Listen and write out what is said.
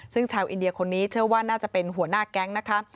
ซึ่งชาวอินเดียคนนี้เชื่อว่าน่าจะเป็นหัวหน้าแก๊งนะคะ